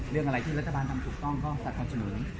เรื่องที่รัฐบาลทำให้ถูกต้องก็ตัดสู่